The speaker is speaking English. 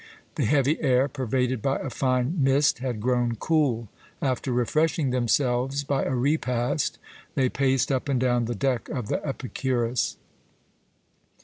The heavy air, pervaded by a fine mist, had grown cool. After refreshing themselves by a repast, they paced up and down the deck of the Epicurus.